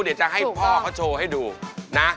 เดี๋ยวจะให้พ่อเขาโชว์ให้ดูนะ